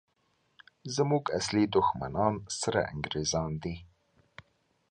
زموږ اصلي دښمنان سره انګریزان دي!